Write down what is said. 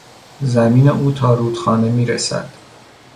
زمین او تا رودخانه میرسد.